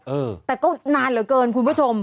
เออแต่ก็นานเหลือเกินคุณผู้ชม